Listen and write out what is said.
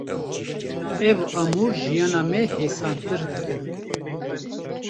Ev amûr jiyana me hêsantir dikin.